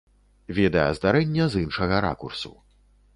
Відэа здарэння з іншага ракурсу.